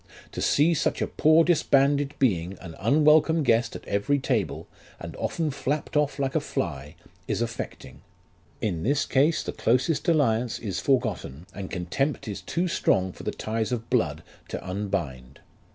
To see such a poor disbanded being an unwelcome guest at every table, and often napped off like a fly, is affecting ; in this case the closest alliance is forgotten, and contempt is too strong for the ties of blood to unbind.